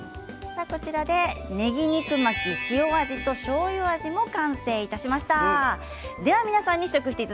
ねぎ肉巻き塩味としょうゆ味も完成いたしました。